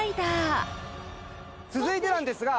続いてなんですが。